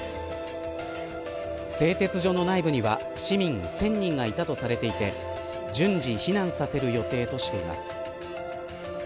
製鉄所の内部には市民１０００人がいたとされていて順次避難させる予定としています。